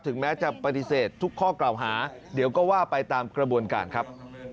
แม้จะปฏิเสธทุกข้อกล่าวหาเดี๋ยวก็ว่าไปตามกระบวนการครับ